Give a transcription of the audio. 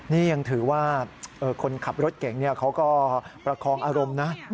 นี่ยังถือว่าคนขับรถเก่งเขาก็ประคองอารมณ์นะ